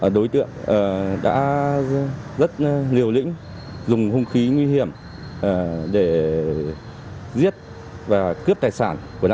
đối tượng đã rất liều lĩnh dùng hùng khí nguy hiểm để giết và cướp tài sản